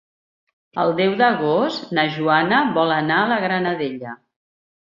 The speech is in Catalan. El deu d'agost na Joana vol anar a la Granadella.